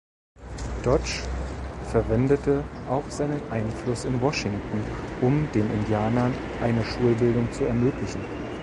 Dodge verwendete auch seinen Einfluss in Washington, um den Indianern eine Schulbildung zu ermöglichen.